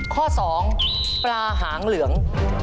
ข้อ๒ปลาหางเหลือง